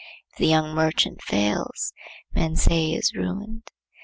If the young merchant fails, men say he is ruined.